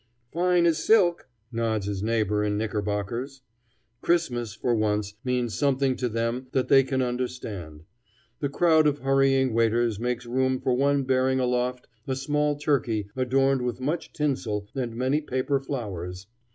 "Fine as silk," nods his neighbor in knickerbockers. Christmas, for once, means something to them that they can understand. The crowd of hurrying waiters make room for one bearing aloft a small turkey adorned with much tinsel and many paper flowers.